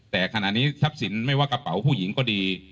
แต่ขณะนี้ทรัพย์สินไม่ว่ากระเป๋าผู้หญิงก็ดี